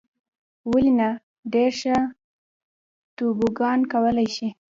ولې نه. ډېر ښه توبوګان کولای شې.